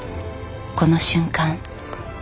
この瞬間